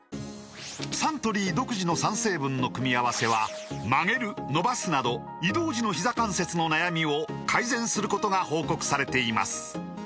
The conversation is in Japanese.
サントリー独自の３成分の組み合わせは曲げる伸ばすなど移動時のひざ関節の悩みを改善することが報告されています